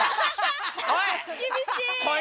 おい！